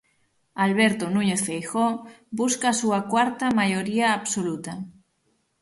Alberto Núñez Feijóo busca a súa cuarta maioría absoluta.